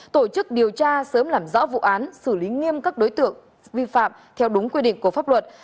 tổ chức điều tra sớm làm rõ vụ án xử lý nghiêm các đối tượng vi phạm theo đúng quy định của pháp luật